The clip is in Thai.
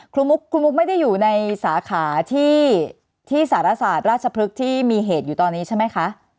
คุณมุกไม่ได้อยู่ในสาขาที่สารศาสตร์ราชพฤกษ์ที่มีเหตุอยู่ตอนนี้ใช่ไหมคะ